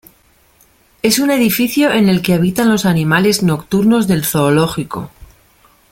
Es un edificio en el que habitan los animales nocturnos del zoológico.